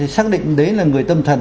xác định đấy là người tâm thần